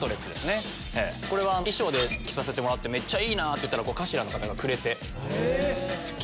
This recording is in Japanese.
これは衣装で着させてもらってめっちゃいいなって言ったらＣＡ４ＬＡの方がくれて。